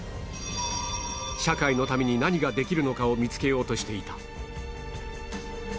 社会のために何ができるのかを見つけようとしていた